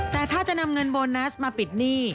แต่ถ้าจะนำเงินโบนัสมาปิดหนี้